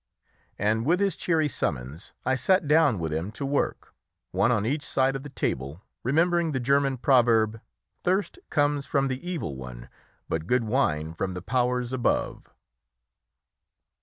And with his cheery summons I sat down with him to work, one on each side of the table, remembering the German proverb "Thirst comes from the evil one, but good wine from the Powers above."